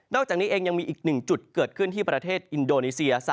อกจากนี้เองยังมีอีกหนึ่งจุดเกิดขึ้นที่ประเทศอินโดนีเซีย